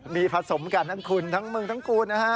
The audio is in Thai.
มีผสมกันทั้งคุณทั้งมึงทั้งกูลนะฮะ